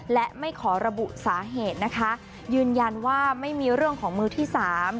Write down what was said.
และไม่ขอระบุสาเหตุนะคะ